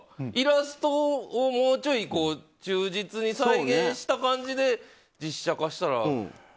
イラストをもうちょい忠実に再現した感じで実写化したら。